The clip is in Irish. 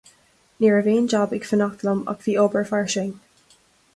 Ní raibh aon jab ag fanacht liom ach bhí obair fairsing.